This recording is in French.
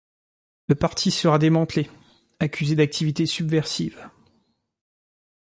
Le parti sera démantelé, accusé d'activités subversives.